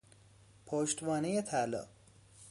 پشتوانه طلا